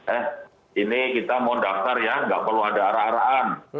eh ini kita mau daftar ya nggak perlu ada arah arahan